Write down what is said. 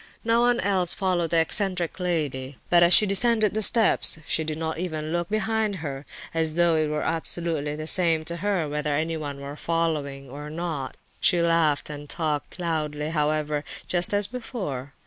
No one else followed the eccentric lady; but as she descended the steps she did not even look behind her, as though it were absolutely the same to her whether anyone were following or not. She laughed and talked loudly, however, just as before.